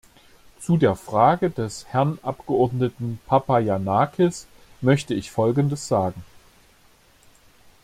Zu der Frage des Herrn Abgeordneten Papayannakis möchte ich folgendes sagen.